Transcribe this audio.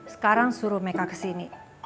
sekarang suruh meka kesini